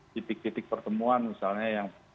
titik titik pertemuan misalnya yang